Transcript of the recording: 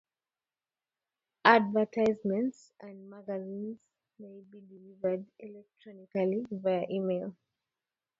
Advertisements and magazines may be delivered electronically via email.